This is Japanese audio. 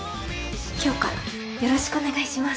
今日からよろしくお願いします。